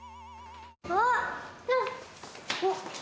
あっ！